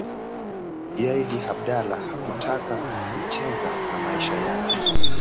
Sayyid Abdallah hakutaka kucheza na maisha yake